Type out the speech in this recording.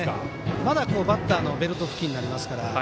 まだバッターのベルト付近にありますから。